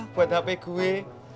buat hp gue